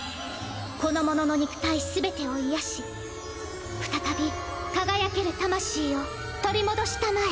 この者の肉体すべてを癒やし再び輝ける魂を取り戻したまえ。